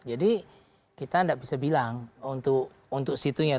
jadi kita tidak bisa bilang untuk situnya